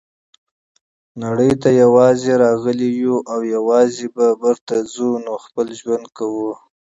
نړۍ ته یوازي راغلي یوو او یوازي به بیرته ځو نو خپل ژوند کوه.